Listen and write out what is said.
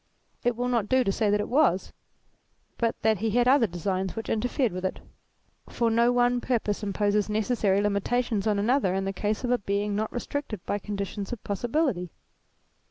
It will not do to say that it was, but that he had other designs which interfered with it ; for no one purpose imposes neces sary limitations on another in the case of a Being not restricted by conditions of possibility.